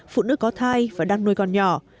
phụ nữ có thai và đang nuôi con nhỏ